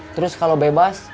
terus kalau bebas